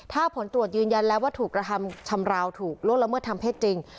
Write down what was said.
ถ้าผลตรวจยืนยันแล้วว่าถูกทำลาวถูกล่วงระเมิ๑๙๘๐จริง